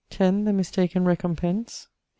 The mistaken recompence. 11.